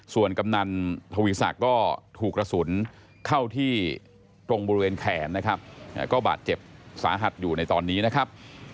ส่วนกำนันทวีศักดิ์ก็ถูกกระสุนเข้าที่ตรงบริเวณแขนนะครับก็บาดเจ็บสาหัสอยู่ในตอนนี้นะครับ